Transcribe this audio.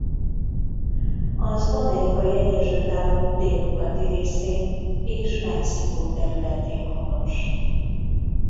Az Amerikai Egyesült Államok délnyugati részén és Mexikó területén honos.